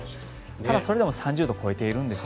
ただ、それでも３０度を超えているんですね。